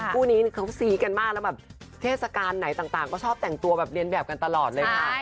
คู่นี้เขาซี้กันมากแล้วแบบเทศกาลไหนต่างก็ชอบแต่งตัวแบบเรียนแบบกันตลอดเลยค่ะ